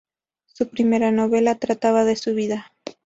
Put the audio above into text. Su primera novela trataba de su vida.